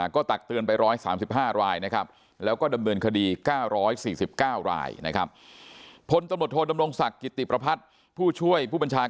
ก็ตักเตือนไป๑๓๕รายนะครับแล้วก็ดำเนินคดี๙๔๙รายนะครับ